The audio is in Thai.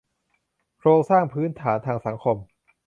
โครงสร้างพื้นฐานทางสังคม